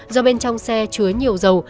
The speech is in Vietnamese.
do bên trong xe chứa nhiều dầu